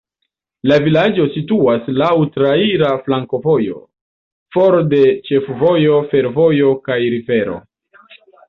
La vilaĝo situas laŭ traira flankovojo, for de ĉefvojo, fervojo kaj rivero.